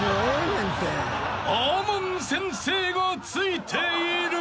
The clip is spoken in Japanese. ［亞門先生がついている！］